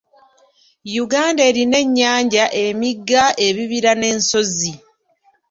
Uganda erina ennyanja, emigga, ebibira n'ensozi.